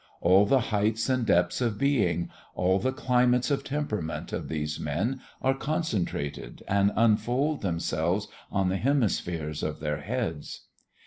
All the heights and depths of being, all the climates of temperament of these men are concentrated and unfold themselves on the hemispheres of their heads.